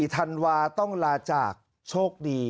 ธันวาต้องลาจากโชคดี